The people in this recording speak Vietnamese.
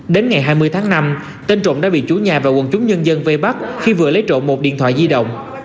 đến ngày hai mươi tháng năm tên trộm đã bị chủ nhà và quần chúng nhân dân vây bắt khi vừa lấy trộm một điện thoại di động